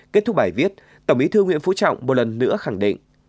kết thúc bài viết tổng bí thư nguyễn phú trọng một lần nữa khẳng định